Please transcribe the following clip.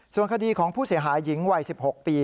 ส่วนคดีของผู้เสียหายหญิงวัย๑๖ปี